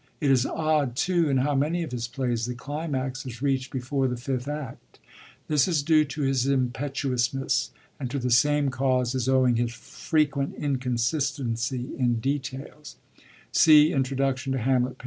It is odd too in how many of his plays the climax is reacht before the fifth Act :^ this is due to his impetuousness ; and to the same cause is owing his frequent inconsis tency in details : see Introduction to Hamlet, p.